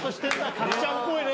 角ちゃんっぽいね。